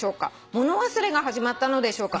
物忘れが始まったのでしょうか？」